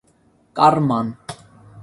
карман